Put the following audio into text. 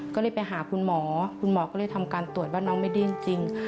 ก็เลยไปหาคุณหมอคุณหมอก็เลยทำการตรวจว่าน้องไม่ได้จริง